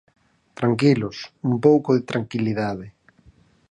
Tranquilos, un pouco de tranquilidade.